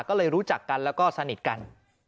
ก็เลยรู้จักกันแล้วก็สนิทกัน